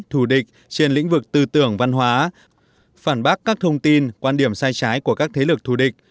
thù địch trên lĩnh vực tư tưởng văn hóa phản bác các thông tin quan điểm sai trái của các thế lực thù địch